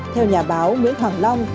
theo nhà báo nguyễn hoàng long